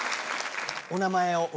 お名前を。